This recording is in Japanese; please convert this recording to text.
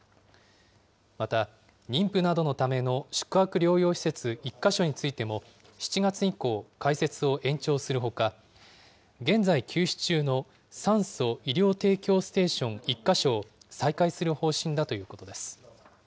また、妊婦などのための宿泊療養施設１か所についても、７月以降、開設を延長するほか、現在、休止中の酸素・医療提供ステーション１か所を再開する方針だということです。